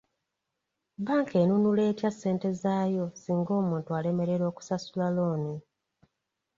Bbanka enunula etya ssente zaayo singa omuntu alemererwa okusasula looni?